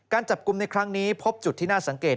จับกลุ่มในครั้งนี้พบจุดที่น่าสังเกต